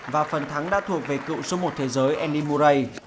và phần thắng đã thuộc về cựu số một thế giới andy murray